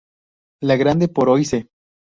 La Grande-Paroisse